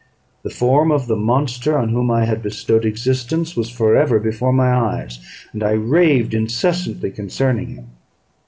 The form of the monster on whom I had bestowed existence was for ever before my eyes, and I raved incessantly concerning him.